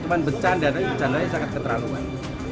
cuman bercanda tapi bercanda sangat keterlaluan